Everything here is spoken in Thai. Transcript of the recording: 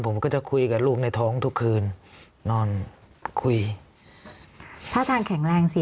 ผมก็จะคุยกับลูกในท้องทุกคืนนอนคุยท่าทางแข็งแรงสิ